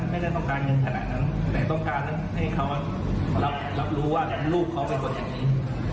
ไม่ได้ต้องการเงินขนาดนั้นแต่ต้องการให้เขารับรู้ว่าลูกเขาเป็นคนอย่างนี้